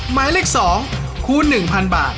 หมายเลข๒คูณ๑๐๐๐บาท